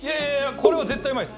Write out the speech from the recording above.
これは絶対うまいです。